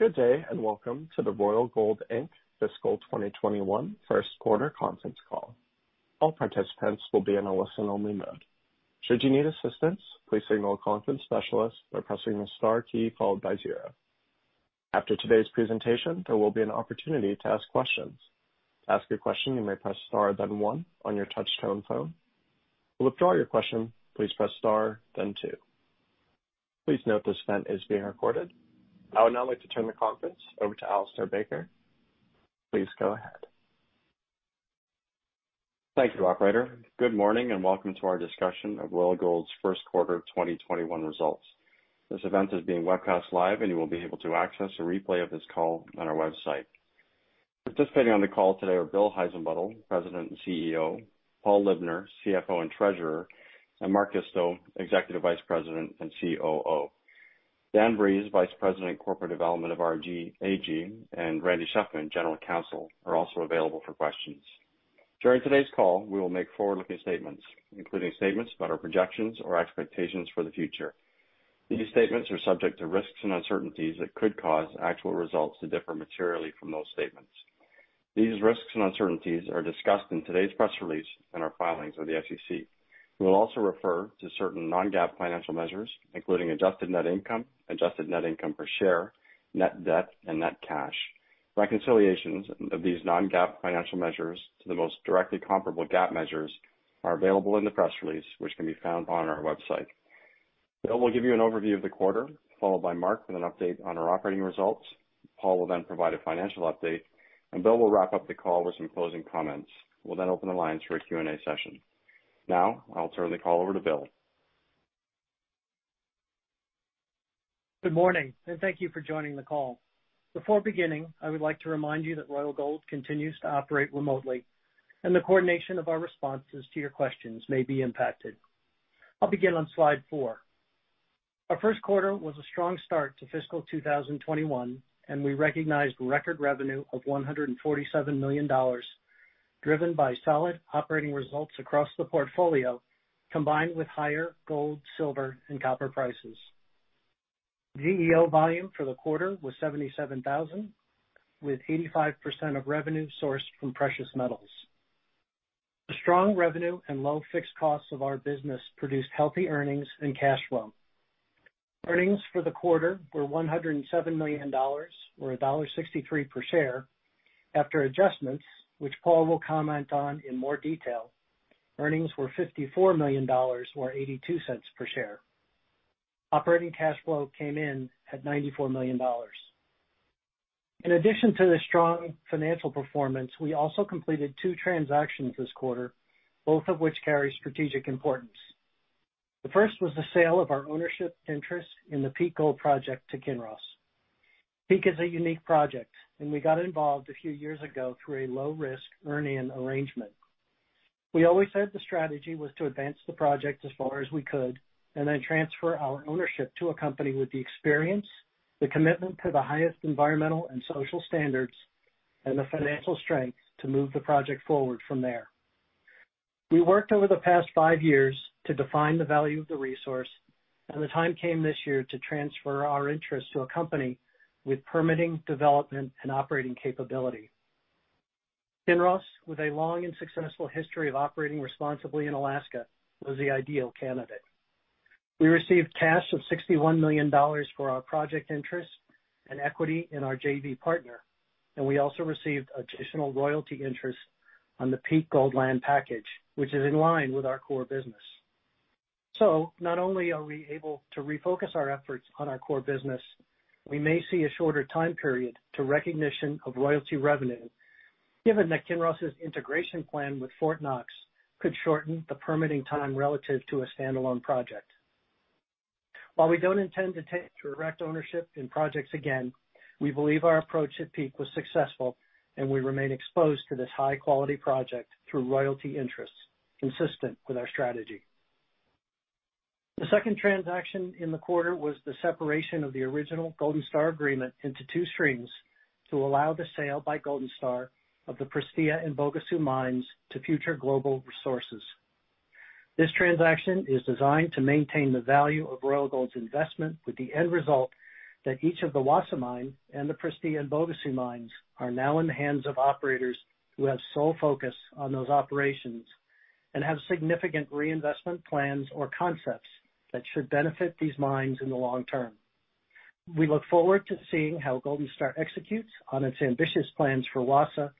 Good day. Welcome to the Royal Gold, Inc. Fiscal 2021 First Quarter Conference Call. All participants will be in a listen-only mode. After today's presentation, there will be an opportunity to ask questions. Please note this event is being recorded. I would now like to turn the conference over to Alistair Baker. Please go ahead. Thank you, operator. Good morning and welcome to our discussion of Royal Gold's first quarter 2021 results. This event is being webcast live, and you will be able to access a replay of this call on our website. Participating on the call today are Bill Heissenbuttel, President and CEO, Paul Libner, CFO and Treasurer, and Mark Isto, Executive Vice President and COO. Dan Breeze, Vice President of Corporate Development of RG AG, and Randy Shefman, General Counsel, are also available for questions. During today's call, we will make forward-looking statements, including statements about our projections or expectations for the future. These statements are subject to risks and uncertainties that could cause actual results to differ materially from those statements. These risks and uncertainties are discussed in today's press release and our filings with the SEC. We will also refer to certain non-GAAP financial measures, including adjusted net income, adjusted net income per share, net debt, and net cash. Reconciliations of these non-GAAP financial measures to the most directly comparable GAAP measures are available in the press release, which can be found on our website. Bill will give you an overview of the quarter, followed by Mark with an update on our operating results. Paul will then provide a financial update, and Bill will wrap up the call with some closing comments. We'll then open the lines for a Q&A session. Now, I'll turn the call over to Bill. Good morning, and thank you for joining the call. Before beginning, I would like to remind you that Royal Gold continues to operate remotely, and the coordination of our responses to your questions may be impacted. I'll begin on slide four. Our first quarter was a strong start to fiscal 2021, and we recognized record revenue of $147 million, driven by solid operating results across the portfolio, combined with higher gold, silver, and copper prices. GEO volume for the quarter was 77,000, with 85% of revenue sourced from precious metals. The strong revenue and low fixed costs of our business produced healthy earnings and cash flow. Earnings for the quarter were $107 million, or $1.63 per share. After adjustments, which Paul will comment on in more detail, earnings were $54 million, or $0.82 per share. Operating cash flow came in at $94 million. In addition to the strong financial performance, we also completed two transactions this quarter, both of which carry strategic importance. The first was the sale of our ownership interest in the Peak Gold project to Kinross. Peak is a unique project, and we got involved a few years ago through a low-risk earn-in arrangement. We always said the strategy was to advance the project as far as we could, and then transfer our ownership to a company with the experience, the commitment to the highest environmental and social standards, and the financial strength to move the project forward from there. We worked over the past five years to define the value of the resource, and the time came this year to transfer our interest to a company with permitting, development, and operating capability. Kinross, with a long and successful history of operating responsibly in Alaska, was the ideal candidate. We received cash of $61 million for our project interest and equity in our JV partner, and we also received additional royalty interest on the Peak Gold land package, which is in line with our core business. Not only are we able to refocus our efforts on our core business, we may see a shorter time period to recognition of royalty revenue, given that Kinross's integration plan with Fort Knox could shorten the permitting time relative to a standalone project. While we don't intend to take direct ownership in projects again, we believe our approach at Peak was successful, and we remain exposed to this high-quality project through royalty interests, consistent with our strategy. The second transaction in the quarter was the separation of the original Golden Star agreement into two streams to allow the sale by Golden Star of the Prestea and Bogoso mines to Future Global Resources. This transaction is designed to maintain the value of Royal Gold's investment with the end result that each of the Wassa mine and the Prestea and Bogoso mines are now in the hands of operators who have sole focus on those operations and have significant reinvestment plans or concepts that should benefit these mines in the long term. We look forward to seeing how Golden Star executes on its ambitious plans for Wassa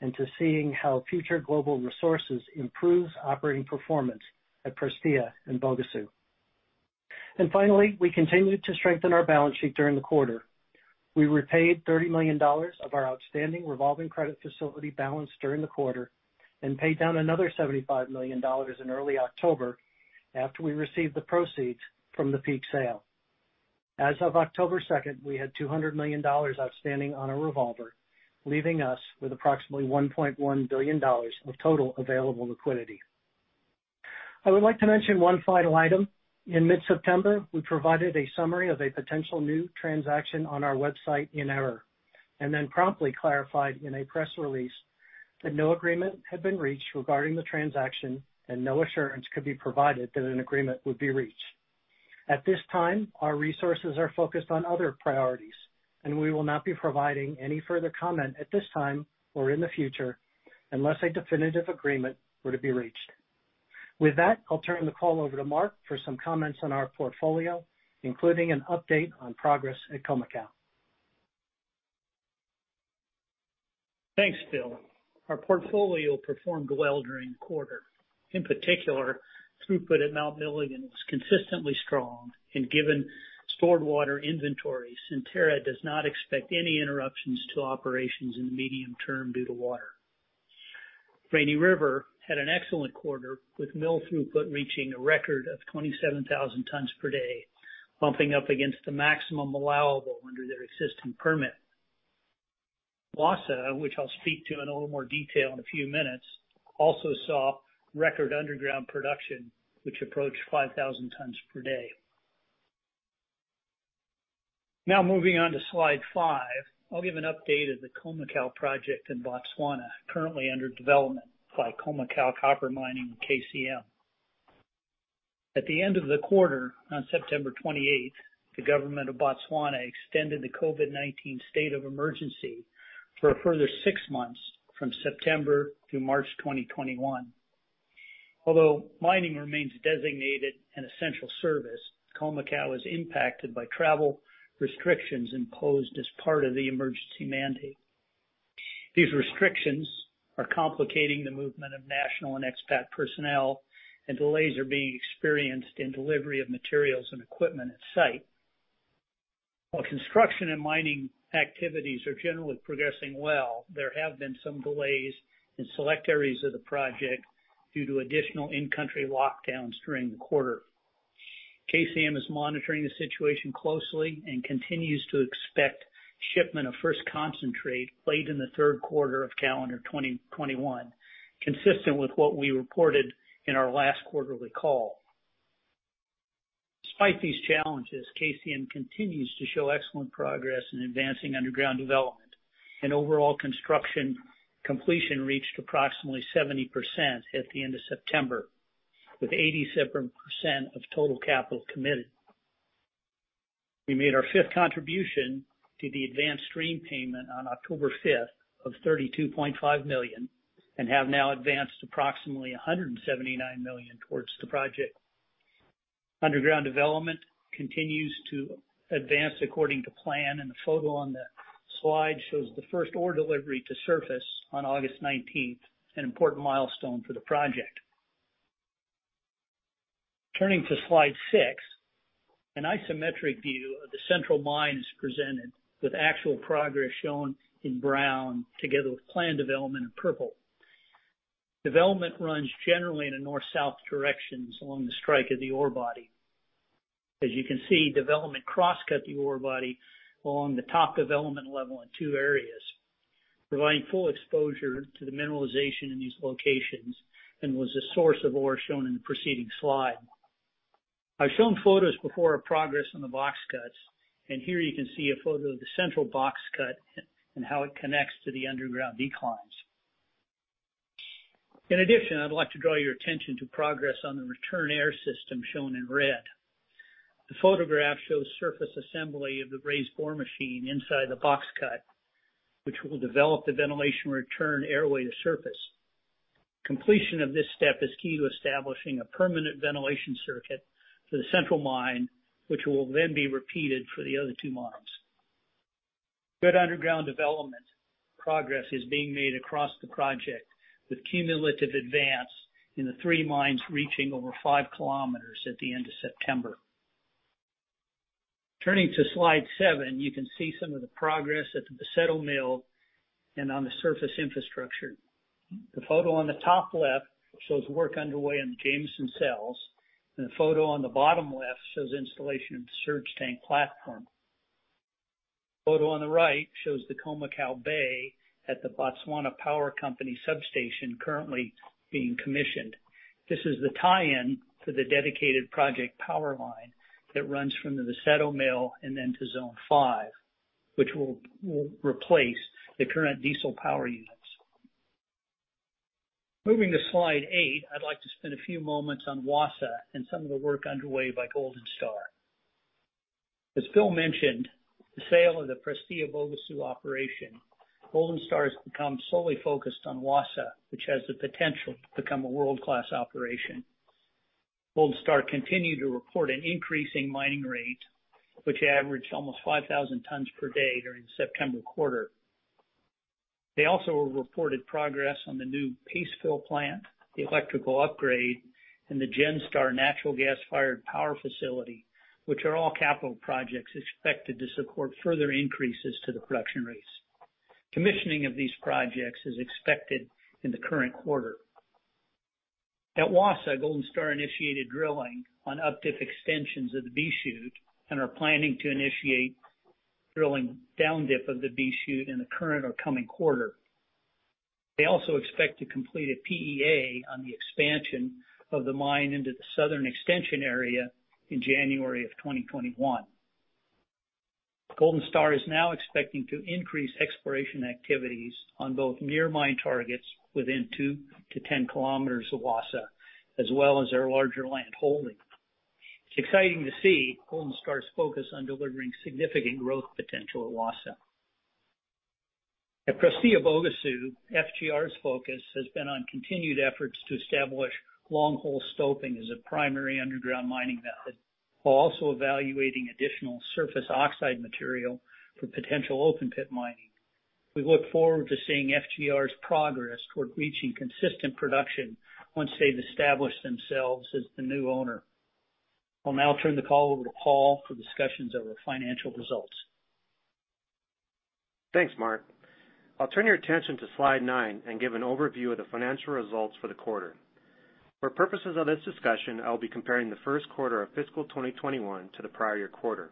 and to seeing how Future Global Resources improves operating performance at Prestea and Bogoso. Finally, we continued to strengthen our balance sheet during the quarter. We repaid $30 million of our outstanding revolving credit facility balance during the quarter and paid down another $75 million in early October after we received the proceeds from the Peak sale. As of October second, we had $200 million outstanding on our revolver, leaving us with approximately $1.1 billion of total available liquidity. I would like to mention one final item. In mid-September, we provided a summary of a potential new transaction on our website in error, and then promptly clarified in a press release that no agreement had been reached regarding the transaction, and no assurance could be provided that an agreement would be reached. At this time, our resources are focused on other priorities, and we will not be providing any further comment at this time or in the future unless a definitive agreement were to be reached. With that, I'll turn the call over to Mark for some comments on our portfolio, including an update on progress at Khoemacau. Thanks, Bill. Our portfolio performed well during the quarter. In particular, throughput at Mount Milligan was consistently strong, and given stored water inventory, Centerra does not expect any interruptions to operations in the medium term due to water. Rainy River had an excellent quarter, with mill throughput reaching a record of 27,000 tons per day, bumping up against the maximum allowable under their existing permit. Wassa, which I'll speak to in a little more detail in a few minutes, also saw record underground production, which approached 5,000 tons per day. Moving on to slide five, I'll give an update of the Khoemacau project in Botswana, currently under development by Khoemacau Copper Mining, or KCM. At the end of the quarter, on September 28th, the government of Botswana extended the COVID-19 state of emergency for a further six months, from September through March 2021. Although mining remains designated an essential service, Khoemacau was impacted by travel restrictions imposed as part of the emergency mandate. These restrictions are complicating the movement of national and expat personnel, and delays are being experienced in delivery of materials and equipment at site. While construction and mining activities are generally progressing well, there have been some delays in select areas of the project due to additional in-country lockdowns during the quarter. KCM is monitoring the situation closely and continues to expect shipment of first concentrate late in the third quarter of calendar 2021, consistent with what we reported in our last quarterly call. Despite these challenges, KCM continues to show excellent progress in advancing underground development, and overall construction completion reached approximately 70% at the end of September, with 87% of total capital committed. We made our fifth contribution to the advanced stream payment on October 5th of $32.5 million, and have now advanced approximately $179 million towards the project. Underground development continues to advance according to plan, and the photo on the slide shows the first ore delivery to surface on August 19th, an important milestone for the project. Turning to slide six, an isometric view of the central mine is presented with actual progress shown in brown, together with planned development in purple. Development runs generally in a north-south directions along the strike of the ore body. As you can see, development cross-cut the ore body along the top development level in two areas, providing full exposure to the mineralization in these locations and was the source of ore shown in the preceding slide. I've shown photos before of progress on the box cuts, and here you can see a photo of the central box cut and how it connects to the underground declines. In addition, I'd like to draw your attention to progress on the return air system shown in red. The photograph shows surface assembly of the raise bore machine inside the box cut, which will develop the ventilation return airway to surface. Completion of this step is key to establishing a permanent ventilation circuit for the central mine, which will then be repeated for the other two mines. Good underground development progress is being made across the project, with cumulative advance in the three mines reaching over five kilometers at the end of September. Turning to slide seven, you can see some of the progress at the Boseto Mill and on the surface infrastructure. The photo on the top left shows work underway on the Jameson Cells, and the photo on the bottom left shows installation of the surge tank platform. The photo on the right shows the Khoemacau bay at the Botswana Power Corporation substation currently being commissioned. This is the tie-in to the dedicated project power line that runs from the Boseto Mill and then to Zone 5, which will replace the current diesel power units. Moving to slide eight, I'd like to spend a few moments on Wassa and some of the work underway by Golden Star. As Bill mentioned, the sale of the Prestea/Bogoso operation, Golden Star has become solely focused on Wassa, which has the potential to become a world-class operation. Golden Star continued to report an increase in mining rates, which averaged almost 5,000 tons per day during the September quarter. They also reported progress on the new paste fill plant, the electrical upgrade, and the Genser natural gas-fired power facility, which are all capital projects expected to support further increases to the production rates. Commissioning of these projects is expected in the current quarter. At Wassa, Golden Star initiated drilling on up-dip extensions of the B Shoot and are planning to initiate drilling down dip of the B Shoot in the current or coming quarter. They also expect to complete a PEA on the expansion of the mine into the southern extension area in January of 2021. Golden Star is now expecting to increase exploration activities on both near mine targets within 2-10 km of Wassa, as well as their larger land holding. It's exciting to see Golden Star's focus on delivering significant growth potential at Wassa. At Prestea/Bogoso, FGR's focus has been on continued efforts to establish long-hole stoping as a primary underground mining method, while also evaluating additional surface oxide material for potential open-pit mining. We look forward to seeing FGR's progress toward reaching consistent production once they've established themselves as the new owner. I'll now turn the call over to Paul for discussions over financial results. Thanks, Mark. I'll turn your attention to slide nine and give an overview of the financial results for the quarter. For purposes of this discussion, I'll be comparing the first quarter of fiscal 2021 to the prior year quarter.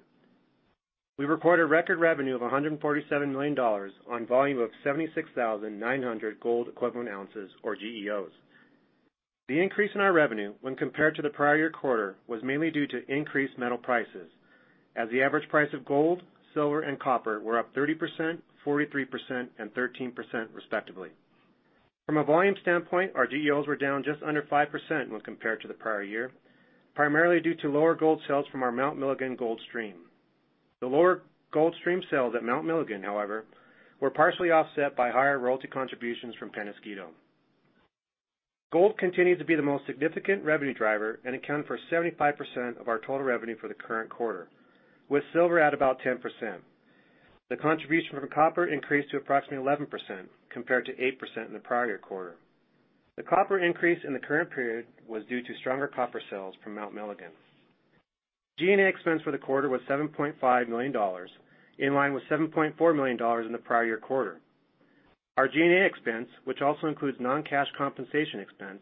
We recorded record revenue of $147 million on volume of 76,900 gold equivalent ounces, or GEOs. The increase in our revenue when compared to the prior year quarter was mainly due to increased metal prices as the average price of gold, silver, and copper were up 30%, 43%, and 13% respectively. From a volume standpoint, our GEOs were down just under 5% when compared to the prior year, primarily due to lower gold sales from our Mount Milligan gold stream. The lower gold stream sales at Mount Milligan, however, were partially offset by higher royalty contributions from Peñasquito. Gold continues to be the most significant revenue driver and accounted for 75% of our total revenue for the current quarter, with silver at about 10%. The contribution from copper increased to approximately 11%, compared to 8% in the prior quarter. The copper increase in the current period was due to stronger copper sales from Mount Milligan. G&A expense for the quarter was $7.5 million, in line with $7.4 million in the prior year quarter. Our G&A expense, which also includes non-cash compensation expense,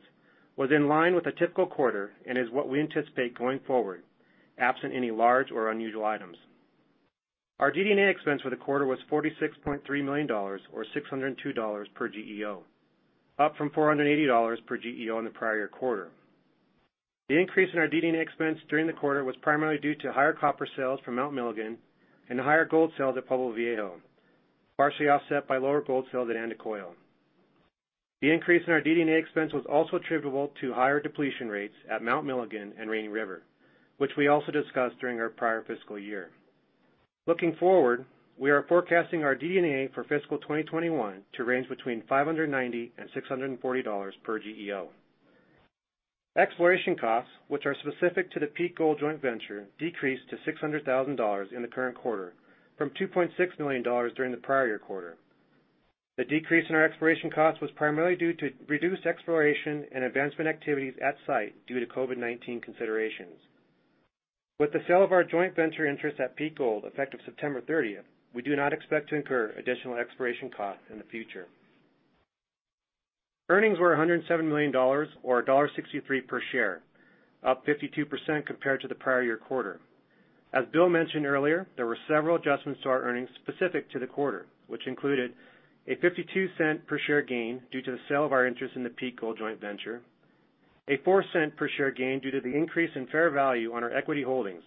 was in line with a typical quarter and is what we anticipate going forward, absent any large or unusual items. Our DD&A expense for the quarter was $46.3 million, or $602 per GEO, up from $480 per GEO in the prior quarter. The increase in our DD&A expense during the quarter was primarily due to higher copper sales from Mount Milligan and higher gold sales at Pueblo Viejo, partially offset by lower gold sales at Andacollo. The increase in our DD&A expense was also attributable to higher depletion rates at Mount Milligan and Rainy River, which we also discussed during our prior fiscal year. Looking forward, we are forecasting our DD&A for fiscal 2021 to range between $590 and $640 per GEO. Exploration costs, which are specific to the Peak Gold joint venture, decreased to $600,000 in the current quarter from $2.6 million during the prior quarter. The decrease in our exploration cost was primarily due to reduced exploration and advancement activities at site due to COVID-19 considerations. With the sale of our joint venture interest at Peak Gold effective September 30th, we do not expect to incur additional exploration costs in the future. Earnings were $107 million, or $1.63 per share, up 52% compared to the prior year quarter. As Bill mentioned earlier, there were several adjustments to our earnings specific to the quarter, which included a $0.52 per share gain due to the sale of our interest in the Peak Gold joint venture, a $0.04 per share gain due to the increase in fair value on our equity holdings,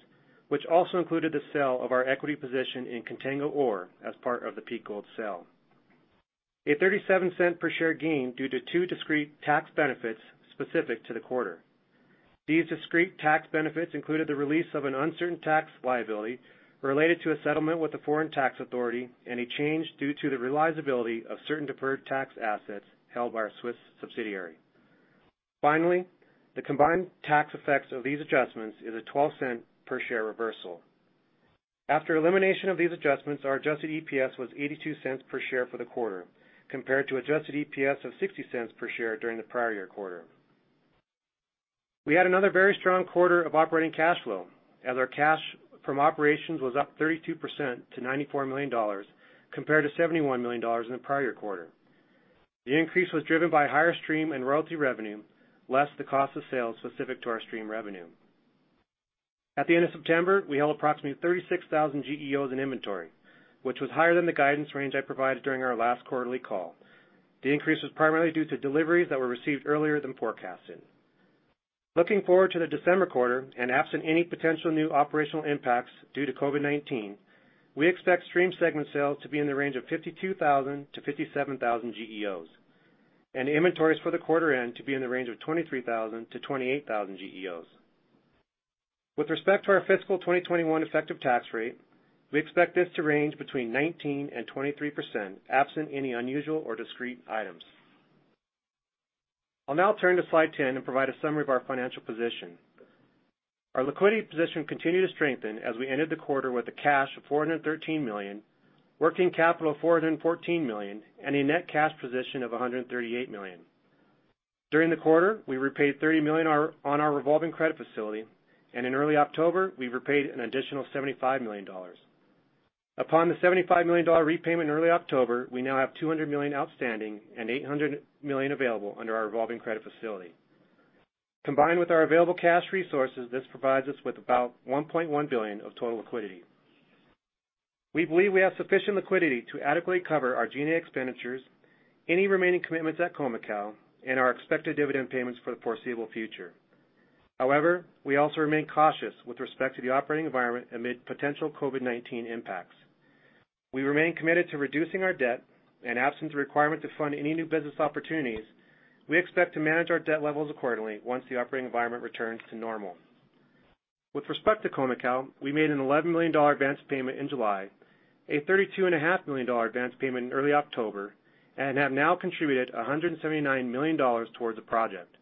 which also included the sale of our equity position in Contango ORE as part of the Peak Gold sale. A $0.37 per share gain due to two discrete tax benefits specific to the quarter. These discrete tax benefits included the release of an uncertain tax liability related to a settlement with the foreign tax authority and a change due to the realizability of certain deferred tax assets held by our Swiss subsidiary. Finally, the combined tax effects of these adjustments is a $0.12 per share reversal. After elimination of these adjustments, our adjusted EPS was $0.82 per share for the quarter, compared to adjusted EPS of $0.60 per share during the prior year quarter. We had another very strong quarter of operating cash flow, as our cash from operations was up 32% to $94 million, compared to $71 million in the prior quarter. The increase was driven by higher stream and royalty revenue, less the cost of sales specific to our stream revenue. At the end of September, we held approximately 36,000 GEOs in inventory, which was higher than the guidance range I provided during our last quarterly call. The increase was primarily due to deliveries that were received earlier than forecasted. Looking forward to the December quarter, and absent any potential new operational impacts due to COVID-19, we expect stream segment sales to be in the range of 52,000-57,000 GEOs and inventories for the quarter end to be in the range of 23,000-28,000 GEOs. With respect to our fiscal 2021 effective tax rate, we expect this to range between 19%-23%, absent any unusual or discrete items. I'll now turn to slide 10 and provide a summary of our financial position. Our liquidity position continued to strengthen as we ended the quarter with cash of $413 million, working capital of $414 million, and a net cash position of $138 million. During the quarter, we repaid $30 million on our revolving credit facility, and in early October, we repaid an additional $75 million. Upon the $75 million repayment in early October, we now have $200 million outstanding and $800 million available under our revolving credit facility. Combined with our available cash resources, this provides us with about $1.1 billion of total liquidity. We believe we have sufficient liquidity to adequately cover our G&A expenditures, any remaining commitments at Khoemacau, and our expected dividend payments for the foreseeable future. We also remain cautious with respect to the operating environment amid potential COVID-19 impacts. We remain committed to reducing our debt. Absent the requirement to fund any new business opportunities, we expect to manage our debt levels accordingly once the operating environment returns to normal. With respect to Khoemacau, we made an $11 million advance payment in July, a $32.5 million advance payment in early October. Have now contributed $179 million towards the project.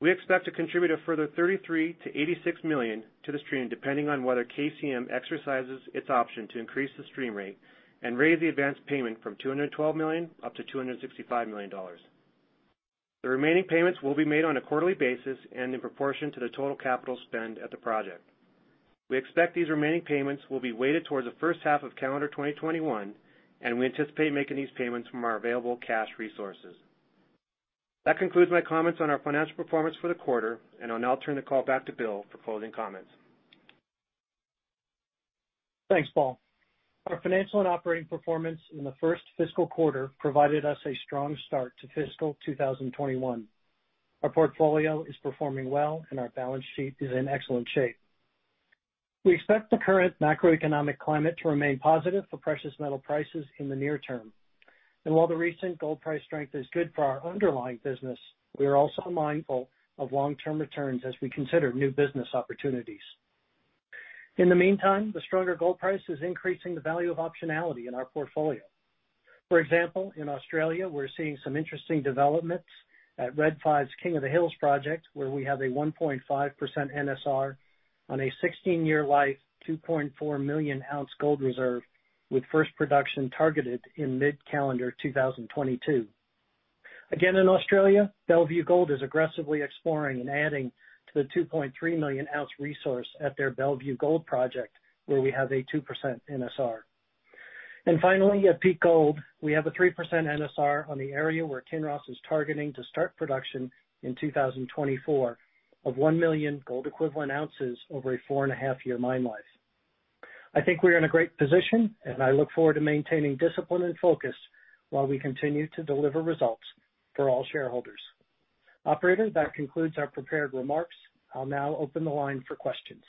We expect to contribute a further $33 million-$86 million to the stream, depending on whether KCM exercises its option to increase the stream rate and raise the advanced payment from $212 million up to $265 million. The remaining payments will be made on a quarterly basis. In proportion to the total capital spend at the project, we expect these remaining payments will be weighted towards the first half of calendar 2021. We anticipate making these payments from our available cash resources. That concludes my comments on our financial performance for the quarter. I'll now turn the call back to Bill for closing comments. Thanks, Paul. Our financial and operating performance in the first fiscal quarter provided us a strong start to fiscal 2021. Our portfolio is performing well, and our balance sheet is in excellent shape. We expect the current macroeconomic climate to remain positive for precious metal prices in the near term. While the recent gold price strength is good for our underlying business, we are also mindful of long-term returns as we consider new business opportunities. In the meantime, the stronger gold price is increasing the value of optionality in our portfolio. For example, in Australia, we're seeing some interesting developments at Red 5's King of the Hills project, where we have a 1.5% NSR on a 16-year life, 2.4 million ounce gold reserve, with first production targeted in mid-calendar 2022. Again, in Australia, Bellevue Gold is aggressively exploring and adding to the 2.3 million ounce resource at their Bellevue Gold Project, where we have a 2% NSR. Finally, at Peak Gold, we have a 3% NSR on the area where Kinross is targeting to start production in 2024 of 1 million gold equivalent ounces over a four-and-a-half year mine life. I think we're in a great position, and I look forward to maintaining discipline and focus while we continue to deliver results for all shareholders. Operator, that concludes our prepared remarks. I'll now open the line for questions.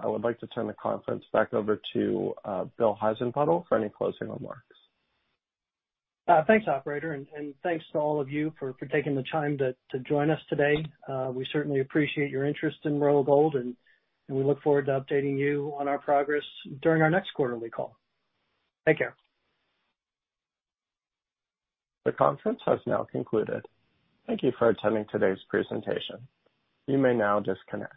I would like to turn the conference back over to Bill Heissenbuttel for any closing remarks. Thanks, operator. Thanks to all of you for taking the time to join us today. We certainly appreciate your interest in Royal Gold. We look forward to updating you on our progress during our next quarterly call. Take care. The conference has now concluded. Thank you for attending today's presentation. You may now disconnect.